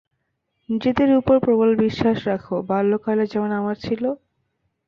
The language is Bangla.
নিজেদের উপর প্রবল বিশ্বাস রাখো, বাল্যকালে যেমন আমার ছিল।